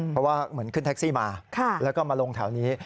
เพราะว่าเหมือนขึ้นแท็กซี่มาแล้วก็มาลงแถวนี้